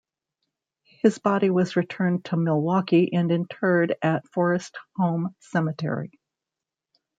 His body was returned to Milwaukee and interred at Forest Home Cemetery.